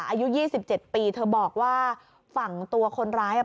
อายุยี่สิบเจ็ดปีเธอบอกว่าฝั่งตัวคนร้ายอ่ะ